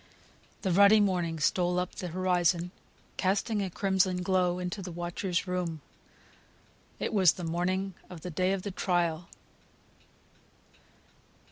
The ruddy morning stole up the horizon, casting a crimson glow into the watcher's room. It was the morning of the day of trial!